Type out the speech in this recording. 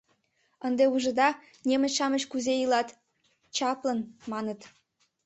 Ынде ужыда, немыч-шамыч кузе илат?» — «Чаплын», — маныт.